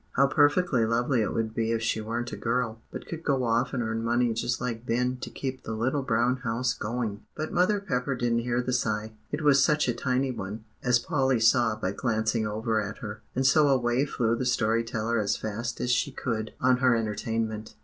How perfectly lovely it would be if she weren't a girl, but could go off and earn money just like Ben to keep the little brown house going! But Mother Pepper didn't hear the sigh, it was such a tiny one, as Polly saw by glancing over at her. And so away flew the story teller as fast as she could, on her entertainment.